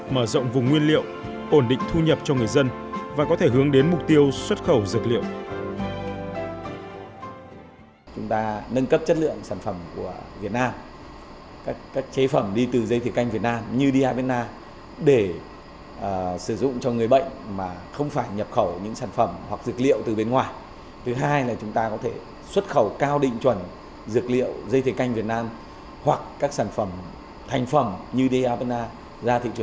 mở rộng vùng nguyên liệu ổn định thu nhập cho người dân và có thể hướng đến mục tiêu xuất khẩu dược liệu